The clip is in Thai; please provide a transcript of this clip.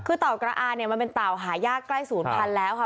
คือเต่ากระอาเนี่ยมันเป็นเต่าหายากใกล้ศูนย์พันธุ์แล้วค่ะ